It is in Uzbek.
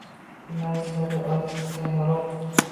Tunlari siladi oy sepgan yorug’.